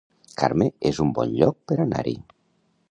Carme es un bon lloc per anar-hi